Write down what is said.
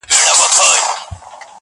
• سړیتوب کي بس دولت ورته مِعیار دی..